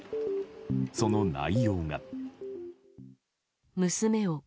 その内容が。